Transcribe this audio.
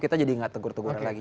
kita jadi nggak tegur tegur lagi